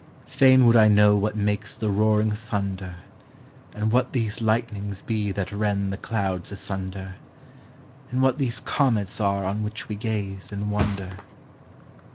Fain would I know what makes the roaring thunder, And what these lightnings be that rend the clouds asunder, And what these comets are on which we gaze and wonder.